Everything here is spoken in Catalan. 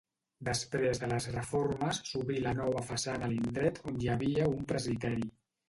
Després de les reformes s'obrí la nova façana a l'indret on hi havia un presbiteri.